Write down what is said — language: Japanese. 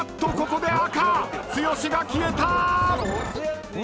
ここで赤剛が消えた！］